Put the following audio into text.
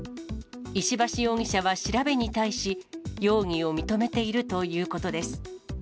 石橋容疑者は調べに対し、容疑を認めているということです。